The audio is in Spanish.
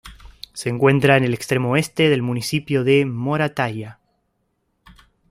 Se encuentra en el extremo oeste del municipio de Moratalla.